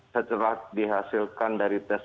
setelah dihasilkan dari tes